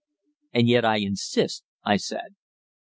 "And yet I insist," I said.